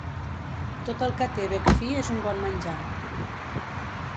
Tot el que té bec fi és un bon menjar.